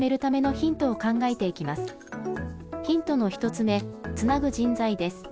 ヒントの１つ目、つなぐ人材です。